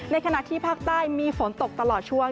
ขณะที่ภาคใต้มีฝนตกตลอดช่วง